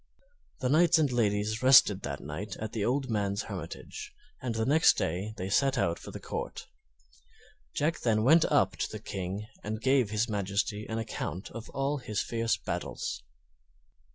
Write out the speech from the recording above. The knights and ladies rested that night at the old man's hermitage, and next day they set out for the Court. Jack then went up to the King and gave his Majesty an account of all his fierce battles.